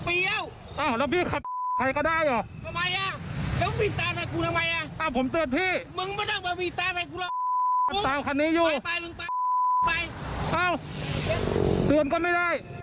แล้วจะบีบตามไปก็ไม่ได้นะครับ